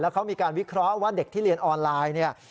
แล้วเขามีการวิเคราะห์ว่าเด็กที่เรียนออนไลน์